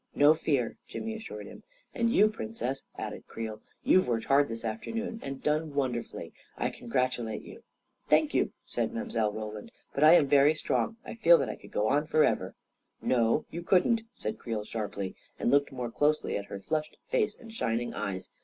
" No fear," Jimmy assured him. "And you, Princess," added Creel. "You've worked hard this afternoon — and done wonder fully! I congratulate you I "" Thank you," said Mile. Roland. " But I am very strong — I feel that I could go on forever." "No, you couldn't," said Creel sharply, and looked more closely at her flushed face and shining eyes.